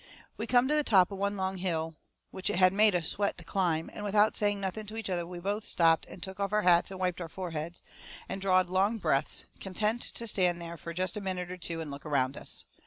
We come to the top of one long hill, which it had made us sweat to climb, and without saying nothing to each other we both stopped and took off our hats and wiped our foreheads, and drawed long breaths, content to stand there fur jest a minute or two and look around us.